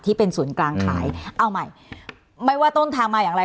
ที่เป็นศูนย์กลางขายเอาใหม่ไม่ว่าต้นทางมาอย่างไร